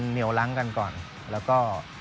เหนียวล้างกันก่อนแล้วก็